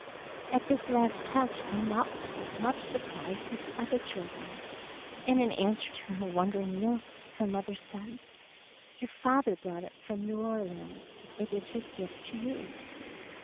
At this last touch Annette was as much surprised as the other children, and in answer to her wondering look her mother said, — Your father brought it from New Orleans; it is his gift to you.